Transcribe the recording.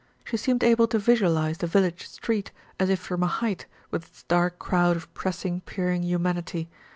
She seemed able to visualise the village street, as if from a height, with its dark crowd of pressing, peering hu manity.